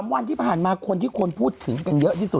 วันที่ผ่านมาคนที่คนพูดถึงกันเยอะที่สุด